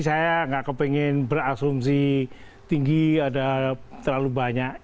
saya nggak kepengen berasumsi tinggi ada terlalu banyak